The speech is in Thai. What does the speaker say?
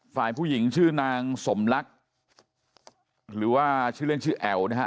ฝ่ายผู้หญิงชื่อนางสมลักษณ์หรือว่าชื่อเล่นชื่อแอ๋วนะฮะ